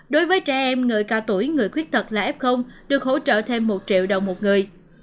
đối với trẻ em người cao tuổi người khuyết tật là f được hỗ trợ thêm một triệu đồng một người